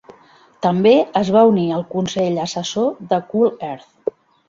També es va unir al consell assessor de Cool Earth.